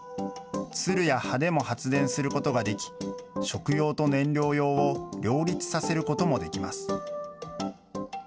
つるや葉でも発電することができ、食用と燃料用を両立させることもできます。